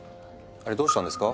あれどうしたんですか？